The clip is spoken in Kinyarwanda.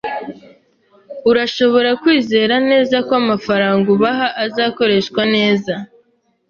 Urashobora kwizera neza ko amafaranga ubaha azakoreshwa neza.